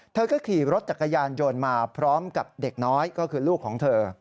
เธอก็ขี่รถจักรยานยนต์มาพร้อมกับเด็กน้อยก็คือลูกของเธอ